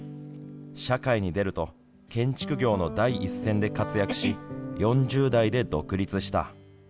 社会に出ると建築業の第一線で活躍し４０代で独立した。